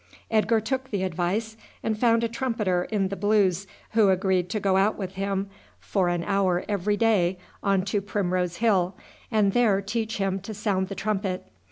Edgar took the advice, and found a trumpeter in the Blues who agreed to go out with him for an hour every day on to Primrose Hill, and there teach him to sound the trumpet.